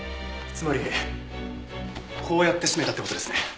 つまりこうやって絞めたって事ですね。